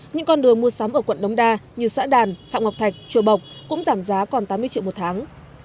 những con đường mua sắm ở quận đống đa như xã đàn phạm ngọc thạch chùa bộc cũng giảm giá còn tám mươi triệu một tháng